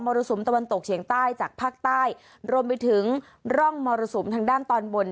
รสุมตะวันตกเฉียงใต้จากภาคใต้รวมไปถึงร่องมรสุมทางด้านตอนบน